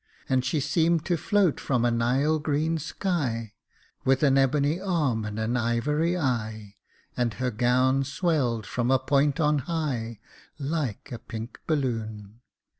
And she seemed to float from a Nile green sky, With an ebony arm and an ivory eye, And her gown swelled from a point on high, Like a pink balloon.